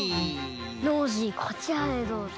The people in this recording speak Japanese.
ノージーこちらへどうぞ。